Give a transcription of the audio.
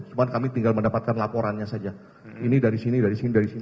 cuma kami tinggal mendapatkan laporannya saja ini dari sini dari sini dari sini